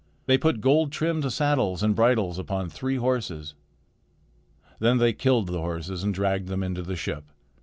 They put gold trimmed saddles and bridles upon three horses. Then they killed the horses and dragged them into the ship.